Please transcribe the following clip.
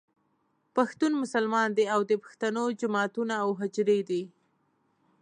پښتون مسلمان دی او د پښتنو جوماتونه او حجرې دي.